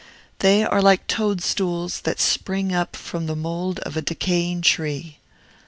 They are like toadstools that spring up from the mould of a decaying tree.